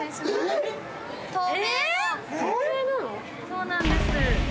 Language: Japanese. そうなんです。